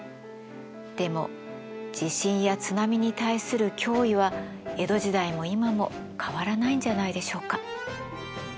でも地震や津波に対する脅威は江戸時代も今も変わらないんじゃないでしょうか。